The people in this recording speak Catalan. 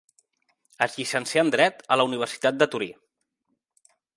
Es llicencià en dret a la Universitat de Torí.